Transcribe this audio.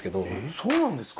そうなんですか？